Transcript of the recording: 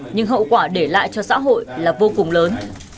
nhưng hậu quả để lại cho xã hội là vô cùng lớn